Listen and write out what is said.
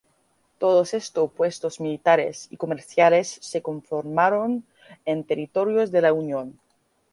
Todos estos puestos militares y comerciales se conformaron en territorios de la Unión.